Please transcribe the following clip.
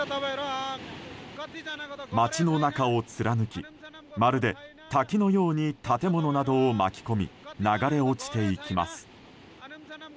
町の中を貫きまるで滝のように建物などを巻き込み流れ落ちていきます。